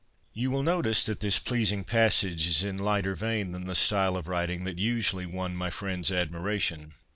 ' You will notice that this pleasing passage is in lighter vein than the style of writing that usually won my friend's admiration.